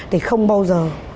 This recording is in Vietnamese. thì không bao giờ